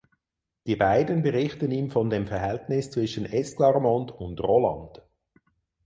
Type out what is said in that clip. Die beiden berichten ihm von dem Verhältnis zwischen Esclarmonde und Roland.